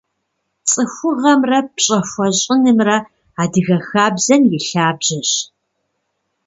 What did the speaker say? Цӏыхугъэмрэ пщӏэ хуэщӏынымрэ адыгэ хабзэм и лъабжьэщ.